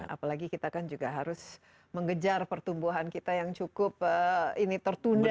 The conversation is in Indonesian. apalagi kita kan juga harus mengejar pertumbuhan kita yang cukup ini tertunda